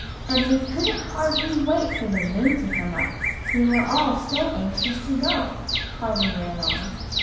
"And they couldn't hardly wait for the moon to come up, they were all so anxious to go," Polly ran on.